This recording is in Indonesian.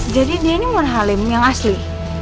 jadi dia ini mona halim yang asli